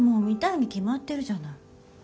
見たいに決まってるじゃない。